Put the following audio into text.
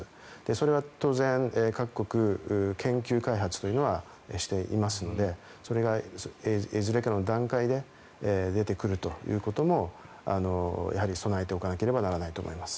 それは当然、各国研究開発というのはしていますのでそれがいずれかの段階で出てくるということもやはり備えておかなければならないと思います。